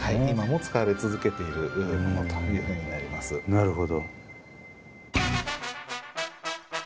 なるほど。